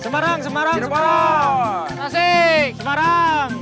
semarang semarang semarang